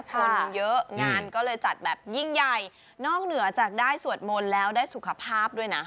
คนเยอะงานก็เลยจัดแบบยิ่งใหญ่นอกเหนือจากได้สวดมนต์แล้วได้สุขภาพด้วยนะ